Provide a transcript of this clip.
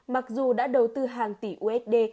mặc dù đã đầu tư hàng tỷ usd